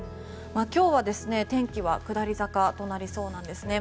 今日は天気は下り坂となりそうなんですね。